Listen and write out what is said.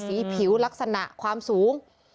สีผิวลักษณะความสูง